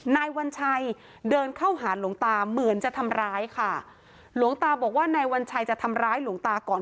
นายวัญชัยเดินเข้าหาหลวงตาเหมือนจะทำร้ายค่ะหลวงตาบอกว่านายวัญชัยจะทำร้ายหลวงตาก่อน